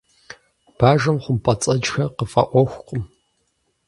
Бажэм хъумпӀэцӀэджхэр къыфӀэӀуэхукъым.